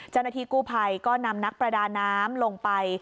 จณฐีกู้ภัยก็นำนักประดาน้ำลงไป